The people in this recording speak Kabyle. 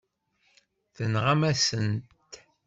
Tenɣamt-asen-t.